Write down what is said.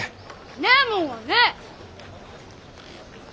ねえもんはねえ！